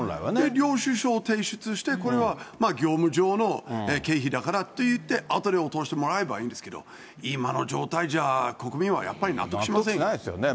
領収書を提出して、これは、業務上の経費だからって言って、あとで落としてもらえばいいんですけど、今の状態じゃ、国民はやっぱり納得しませんよね。